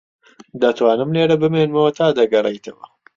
دەتوانم لێرە بمێنمەوە تا دەگەڕێیتەوە.